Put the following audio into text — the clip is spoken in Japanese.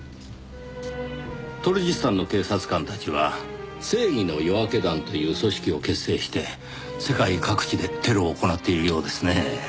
トルジスタンの警察官たちは正義の夜明け団という組織を結成して世界各地でテロを行っているようですねぇ。